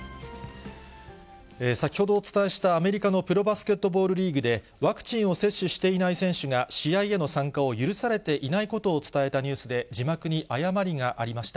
先ほどお伝えしたアメリカのプロバスケットボールリーグで、ワクチンを接種していない選手が試合への参加を許されていないことを伝えたニュースで、字幕に誤りがありました。